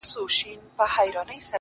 زه لا تر اوسه